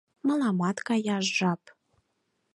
Мыламат каяш жап.